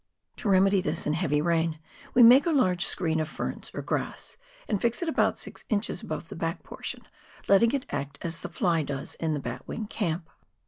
To remedy this, in heavy rain, we make a large screen of ferns or grass, and fix it about six inches above the back portion, letting it act as the "fly" does in the batwing camp.